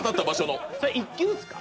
それ１球っすか？